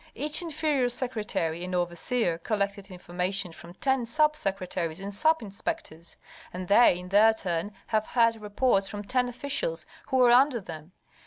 Each inferior secretary and overseer collected information from ten sub secretaries and sub inspectors, and they in their turn have heard reports from ten officials who are under them.